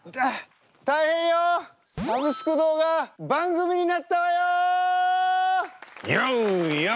「サブスク堂」が番組になったわよ！